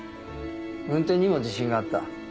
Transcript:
運転にも自信があった。